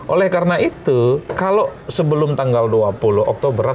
oleh karena itu kalau sebelum tanggal dua puluh oktober